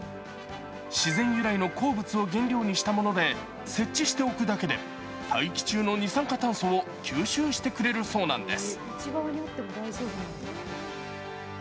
自然由来の鉱物を原料にしたもので設置しておくだけで大気中の二酸化炭素を吸収してくれるそうなんです。